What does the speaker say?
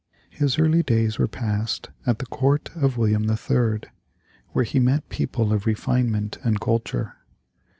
His early days were passed at the Court of William III., where he met people of refinement and culture.